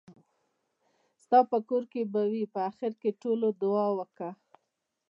ستاپه کور کې به وي. په اخېر کې ټولو دعا وکړه .